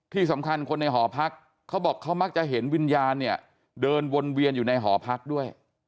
ที่สำคัญคนในหอพักเขาบอกเขามักจะเห็นวิญญาณเนี่ยเดินวนเวียนอยู่ในหอพักด้วย